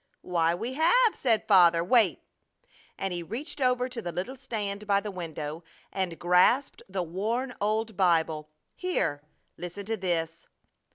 "Why, we have!" said Father. "Wait!" and he reached over to the little stand by the window and grasped the worn old Bible. "Here! Listen to this!